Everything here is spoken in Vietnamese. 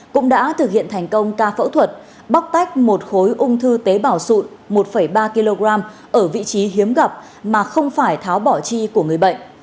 cũng đã thực hiện thành công ca phẫu thuật bóc tách một khối ung thư tế bào sụn một ba kg ở vị trí hiếm gặp mà không phải tháo bỏ chi của người bệnh